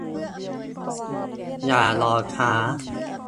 อย่ารอช้า